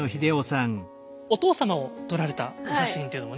お父様を撮られたお写真っていうのもね。